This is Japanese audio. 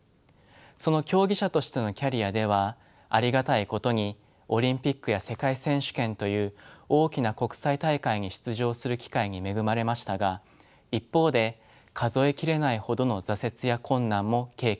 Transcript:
その競技者としてのキャリアではありがたいことにオリンピックや世界選手権という大きな国際大会に出場する機会に恵まれましたが一方で数え切れないほどの挫折や困難も経験しました。